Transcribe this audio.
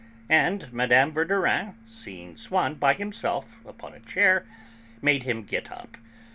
And Mme. Verdurin, seeing Swann by himself upon a chair, made him get up.